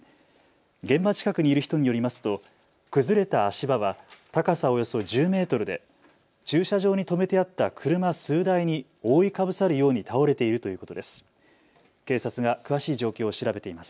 現場近くにいる人によりますと崩れた足場は高さおよそ１０メートルで駐車場に止めてあった車数台に覆いかぶさるように倒れているということです。